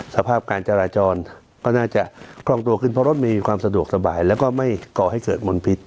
สภาพการจราจรก็น่าจะคล่องตัวขึ้นเพราะรถมีความสะดวกสบายแล้วก็ไม่ก่อให้เกิดมลพิษ